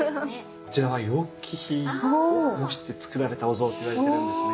こちらは楊貴妃を模してつくられたお像っていわれてるんですね。